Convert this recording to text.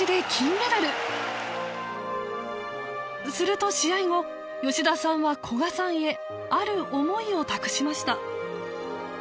すると試合後吉田さんは古賀さんへある思いを託しました